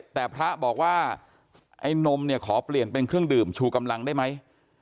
แต่พระบอกว่าไอ้นมเนี่ยขอเปลี่ยนเป็นเครื่องดื่มชูกำลังได้ไหม